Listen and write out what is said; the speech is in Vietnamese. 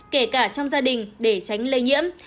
kể cả trong gia đình để tránh lây nhiễm